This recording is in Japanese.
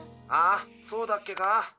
ああそうだっけか？